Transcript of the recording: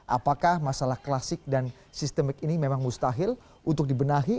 apakah masalah klasik dan sistemik ini memang mustahil untuk dibenahi